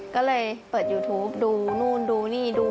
ก็เลยเปิดยูทูปดูนู่นดูนี่ดู